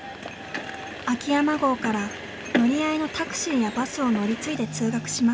秋山郷から乗り合いのタクシーやバスを乗り継いで通学します。